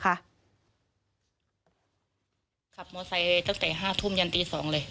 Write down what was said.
ขับมอไซค์ตั้งแต่๕ทุ่มยันตี๒เลย